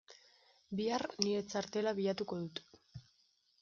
Bihar nire txartela bilatuko dut.